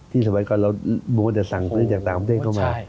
สมัยก่อนเรามัวแต่สั่งซื้อจากต่างประเทศเข้ามา